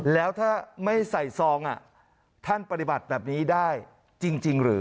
แล้วถ้าไม่ใส่ซองท่านปฏิบัติแบบนี้ได้จริงหรือ